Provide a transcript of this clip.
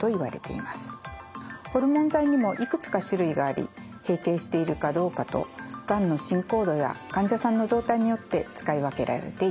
ホルモン剤にもいくつか種類があり閉経しているかどうかとがんの進行度や患者さんの状態によって使い分けられています。